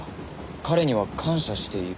彼には感謝している」